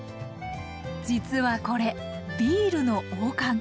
実はこれビールの王冠。